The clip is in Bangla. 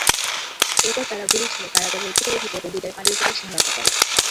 এরপর তারা গুলি ছুড়ে কারাগারের ভেতরে ঢুকে বন্দীদের পালিয়ে যেতে সহায়তা করে।